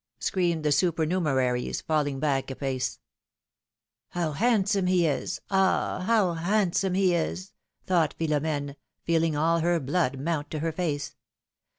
screamed the supernumeraries, falling back a pace. 224 philomI:ne's marriages. How handsome he is ! Ah! how handsome he is!'^ thought Philom^ne, feeling all her blood mount to her face.